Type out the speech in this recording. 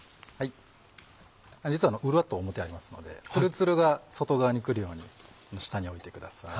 実は裏と表ありますのでツルツルが外側にくるように下に置いてください。